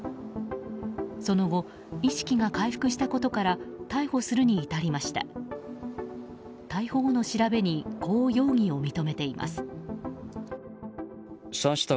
その後、意識が回復したことから逮捕するに至りました。